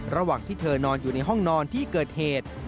ระหว่างที่เธอนอนอยู่ในห้องนอนที่เกิดเหตุ